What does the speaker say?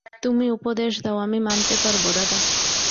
তুমি উপদেশ দাও, আমি মানতে পারব দাদা।